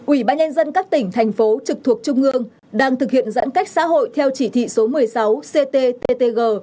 ủy ban nhân dân các tỉnh thành phố trực thuộc trung ương đang thực hiện giãn cách xã hội theo chỉ thị số một mươi sáu cttg